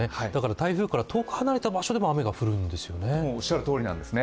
台風から遠く離れた場所でも雨が降るんですね。